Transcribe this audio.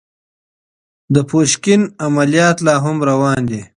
د پوشکين عمليات لا هم روان دي.